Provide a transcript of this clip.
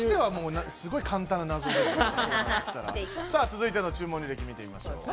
続いての注文履歴、見てみましょう。